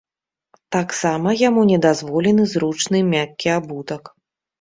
Таксама яму не дазволены зручны мяккі абутак.